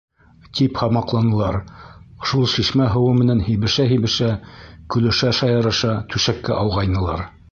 Тип һамаҡланылар, шул шишмә һыуы менән һибешә-һибешә, көлөшә-шаярыша түшәккә ауғайнылар.